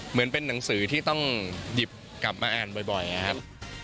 เหมือนเป็นหนังสือที่ต้องหยิบกลับมาอ่านบ่อยนะครับ